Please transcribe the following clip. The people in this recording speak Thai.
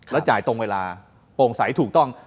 แล้วจ่ายตรงเวลาโปร่งใสถูกต้อง